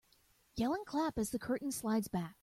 Yell and clap as the curtain slides back.